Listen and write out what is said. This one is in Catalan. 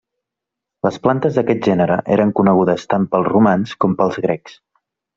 Les plantes d'aquest gènere eren coneguts tant pels romans com pels grecs.